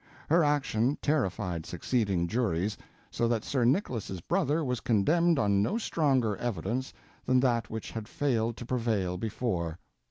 Her action terrified succeeding juries, so that Sir Nicholas's brother was condemned on no stronger evidence than that which had failed to prevail before.